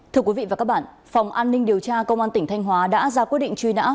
thưa quý vị và các bạn phòng an ninh điều tra công an tỉnh thanh hóa đã ra quyết định truy nã